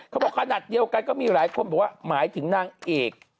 ขนาดเดียวกันก็มีหลายคนบอกว่าหมายถึงนางเอก